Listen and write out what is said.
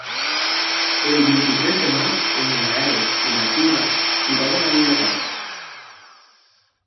El vint-i-tres de maig en Gaël i na Tura iran a la biblioteca.